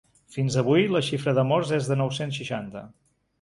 Fins avui, la xifra de morts és de nou-cents seixanta.